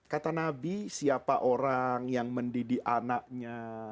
kata nabi siapa orang yang mendidik anaknya